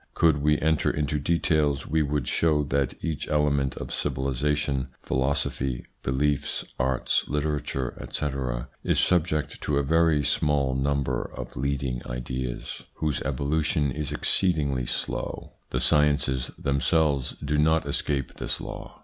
Could we enter into details, we would show that each element of civilisation philosophy, beliefs, arts, literature, etc. is subject to a very small number of leading ideas 172 THE PSYCHOLOGY OF PEOPLES: whose evolution is exceedingly slow. The sciences themselves do not escape this law.